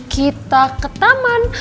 kita ke taman